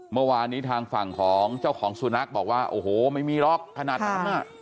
เมื่อวานนี้ทางฝั่งของเจ้าของสุนัขบอกว่าโอ้โหไม่มีหรอกขนาดนั้นอ่ะ